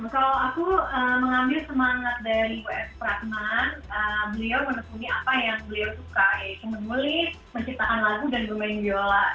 kalau aku mengambil semangat